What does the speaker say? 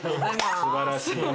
すばらしい。